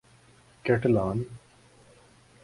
Catalan